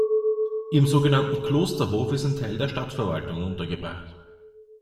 Im sogenannten Klosterhof ist ein Teil der Stadtverwaltung untergebracht.